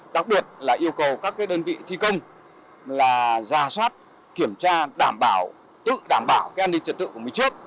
đặc biệt là yêu cầu các đơn vị thi công ra soát kiểm tra tự đảm bảo an ninh trật tự của mình trước